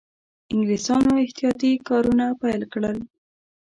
انګلیسیانو احتیاطي کارونه پیل کړل.